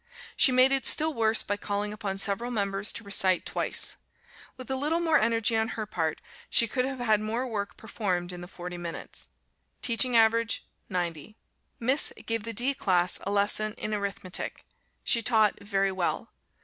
She made it still worse by calling upon several members to recite twice. With a little more energy on her part she could have had more work performed in the forty minutes. Teaching average 90. Miss gave the D class a lesson in Arithmetic. She taught very well.